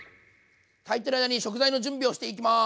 炊いてる間に食材の準備をしていきます。